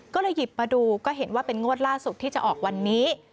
ก็เลยหยิบมาดูก็เห็นว่าเป็นงวดล่าสุดที่จะออกวันนี้